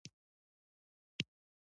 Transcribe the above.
په علي باندې پردۍ مړۍ ډېره ښه لګېدلې ده.